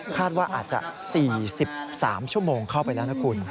ว่าอาจจะ๔๓ชั่วโมงเข้าไปแล้วนะคุณ